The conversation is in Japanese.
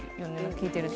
聞いてると。